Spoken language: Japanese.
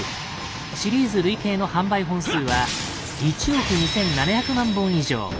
シリーズ累計の販売本数は１億２，７００万本以上。